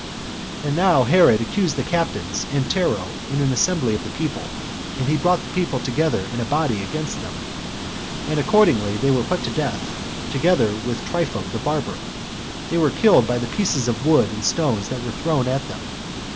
6. And now Herod accused the captains and Tero in an assembly of the people, and brought the people together in a body against them; and accordingly there were they put to death, together with [Trypho] the barber; they were killed by the pieces of wood and the stones that were thrown at them.